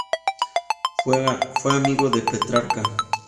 Fue amigo de Petrarca.